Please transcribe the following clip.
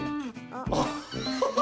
あっ。